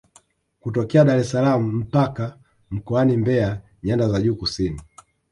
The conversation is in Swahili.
Kutokea Daressalaam mpaka mkoani Mbeya nyanda za juu kusini